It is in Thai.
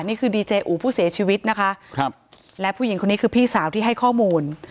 นี่คือดีเจอูผู้เสียชีวิตนะคะครับและผู้หญิงคนนี้คือพี่สาวที่ให้ข้อมูล